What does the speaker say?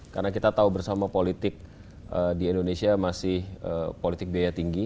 karena kita tahu bersama politik di indonesia masih politik biaya tinggi